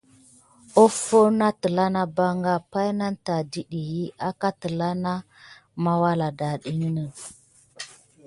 Offo nà ɓanga pay nane tät ɗiti ki àkà telà na mawuala adef.